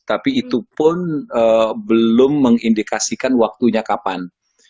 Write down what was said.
tapi itu pun belum mengindikasikan waktunya kapan